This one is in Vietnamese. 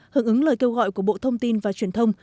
hưởng ứng lời kêu gọi của bộ thông tin và truyền thông